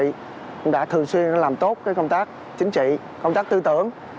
thì cũng đã thường xuyên làm tốt công tác chính trị công tác tư tưởng